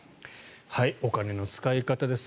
お金の使い方です。